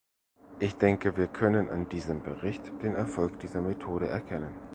Ich denke, wir können an diesem Bericht den Erfolg dieser Methode erkennen.